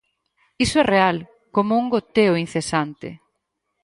Iso é real, como un goteo incesante.